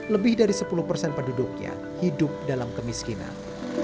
lebih dari sepuluh persen penduduknya hidup dalam kemiskinan